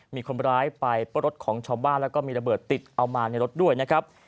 มีคนร้ายไปปลดของชาวบ้านแล้วก็มีระเบิดติดเอามาในรถด้วยนะครับ